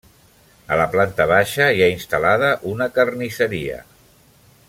A la planta baixa hi ha instal·lada una carnisseria.